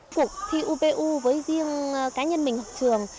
cuộc thi upu với riêng cá nhân mình học trường